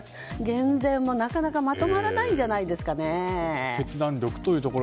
減税もなかなかまとまらないんじゃないですかね。